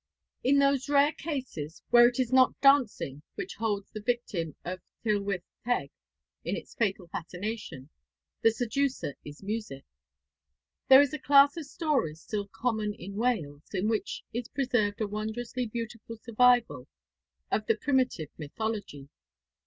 In those rare cases where it is not dancing which holds the victim of Tylwyth Teg in its fatal fascination, the seducer is music. There is a class of stories still common in Wales, in which is preserved a wondrously beautiful survival of the primitive mythology.